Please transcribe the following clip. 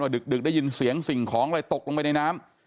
ดึกได้ยินเสียงสิ่งของอะไรตกลงไปในน้ำ